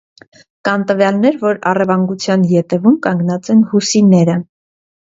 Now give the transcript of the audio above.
Կան տվյալներ, որ առևանգության ետևում կանգնած են հուսիները։